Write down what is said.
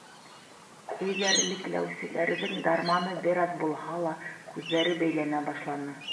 Эҙәрлекләүселәрҙең дарманы бер аҙ булһа ла, күҙҙәре бәйләнә башланы.